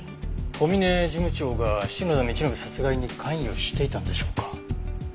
小嶺事務長が篠田道信殺害に関与していたんでしょうか？